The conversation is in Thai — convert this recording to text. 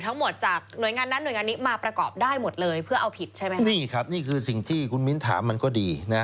นี่ครับนี่คือสิ่งที่คุณมิ้นต์ถามมันก็ดีนะ